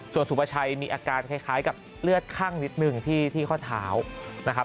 ส่วนสุภาชัยมีอาการคล้ายกับเลือดข้างนิดนึงที่ข้อเท้านะครับ